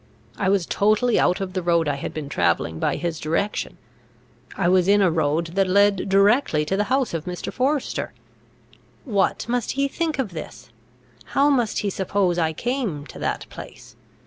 I was totally out of the road I had been travelling by his direction; I was in a road that led directly to the house of Mr. Forester. What must he think of this? How must he suppose I came to that place?